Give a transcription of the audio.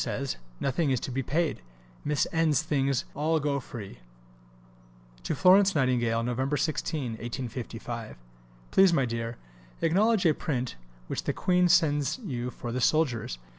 says, nothing is to be paid, Miss N.'s things all go free. (To Florence Nightingale.) [Nov. 16, 1855.] Please, my dear, acknowledge a print which the Queen sends you for the soldiers.